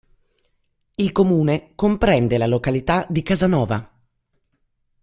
Il comune comprende la località di Casanova.